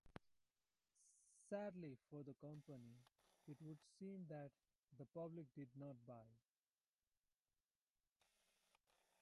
Sadly for the company, it would seem that the public did not buy.